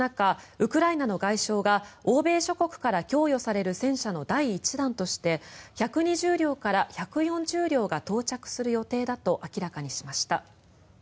ウクライナの外相が欧米諸国から供与される戦車の第１弾として１２０両から１４０両が到着する予定だと明らかにしました。